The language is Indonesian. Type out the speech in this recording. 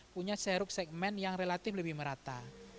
punya serup segmen yang relatif lebih merata